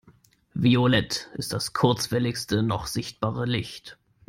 Violett ist das kurzwelligste noch sichtbare Licht.